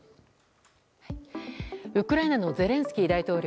ウクライナのゼレンスキー大統領。